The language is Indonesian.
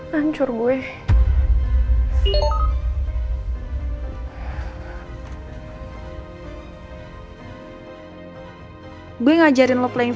menghukum tuyawamu dan sebagainya